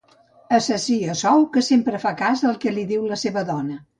Assassí a sou que sempre fa cas del que li diu la seva dona.